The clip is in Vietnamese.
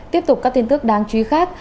tiếp tục các tin tức đáng chú ý khác